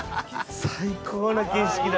最高の景色だ。